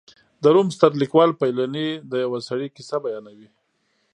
د روم ستر لیکوال پیلني د یوه سړي کیسه بیانوي